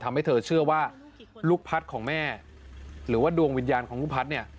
ทำให้เธอเชื่อว่าลูกพัดของแม่หรือว่าดวงวิญญาณของลูกพัฒน์เนี่ย